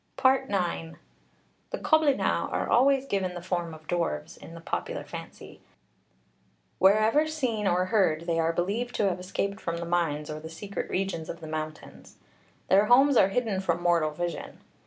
IX. The Coblynau are always given the form of dwarfs, in the popular fancy; wherever seen or heard, they are believed to have escaped from the mines or the secret regions of the mountains. Their homes are hidden from mortal vision.